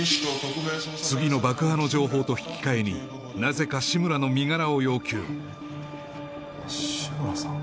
次の爆破の情報と引き換えになぜか志村の身柄を要求志村さん